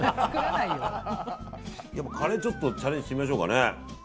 カレー、ちょっとチャレンジしてみましょうか。